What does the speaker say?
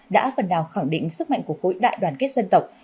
đã phần nào khẳng định sức mạnh của khối đại đoàn kết dân tộc